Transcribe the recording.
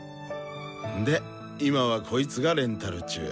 で今はこいつがレンタル中。